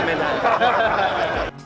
tanya pak men